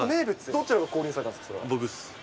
どちらが購入されたんですか？